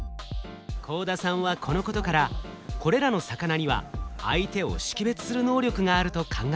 幸田さんはこのことからこれらの魚には相手を識別する能力があると考えました。